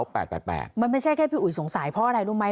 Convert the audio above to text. มันไม่ใช่แค่พี่อุ๋ยสงสัยเพราะอะไรรู้ไหม